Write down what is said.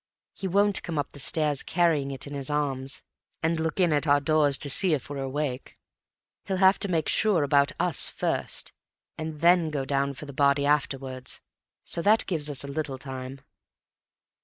He won't come up the stairs, carrying it in his arms, and look in at our doors to see if we're awake. He'll have to make sure about us first, and then go down for the body afterwards. So that gives us a little time."